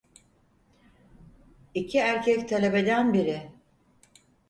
İki erkek talebeden biri: